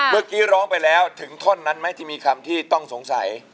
เมื่อกี้ร้องไปแล้วถึงท่อนนั้นไหมที่มีคำที่ต้องสงสัย